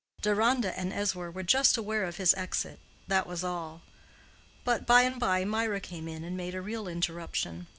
Deronda and Ezra were just aware of his exit; that was all. But, by and by, Mirah came in and made a real interruption.